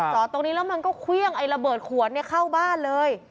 จอดตรงนี้แล้วมันก็เครื่องไอ้ระเบิดขวดเข้าบ้านเลย